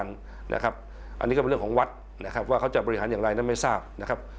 อันนี้ก็เป็นเรื่องของวัดนะครับว่าเขาจะบริหารอย่างไรนั้นไม่ทราบนะครับ